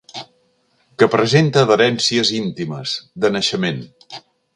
Que presenta adherències íntimes, de naixement.